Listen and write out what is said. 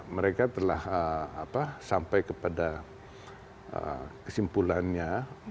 mereka telah sampai kepada kesimpulannya